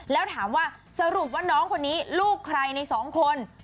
แล้วถามว่าสรุปว่าน้องคนนี้ลูกใครในสองคน